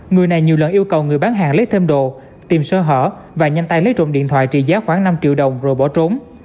người này nhiều lần yêu cầu người bán hàng lấy thêm đồ tìm sơ hở và nhanh tay lấy trộm điện thoại trị giá khoảng năm triệu đồng rồi bỏ trốn